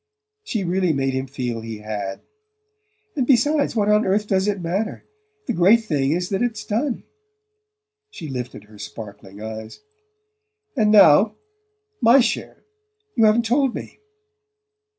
She really made him feel he had. "And besides, what on earth does it matter? The great thing is that it's done." She lifted her sparkling eyes. "And now my share you haven't told me..."